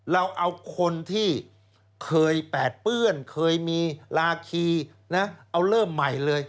เราเอาคนที่เคยแปดเปื้อนเคยมีลาคีนะเอาเริ่มใหม่เลย